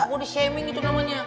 kok di shaming gitu namanya